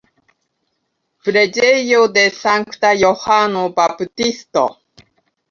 Preĝejo de Sankta Johano Baptisto.